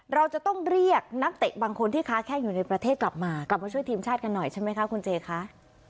เราจะต้องเรียกนักเตะบางคนที่ค้าแข้งอยู่ในประเทศกลับมากลับมาช่วยทีมชาติกันหน่อยใช่ไหมคะคุณเจคะ